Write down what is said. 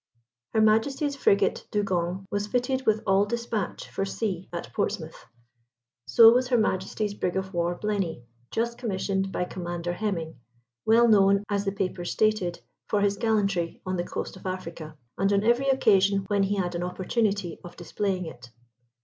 Her Majesty's frigate Dugong was fitting with all despatch for sea at Portsmouth; so was her Majesty's brig of war Blenny, just commissioned by Commander Hemming, well known, as the papers stated, for his gallantry on the coast of Africa, and on every occasion when he had an opportunity of displaying it.